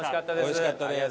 美味しかったです。